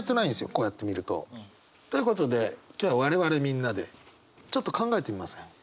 こうやって見ると。ということで今日我々みんなでちょっと考えてみません？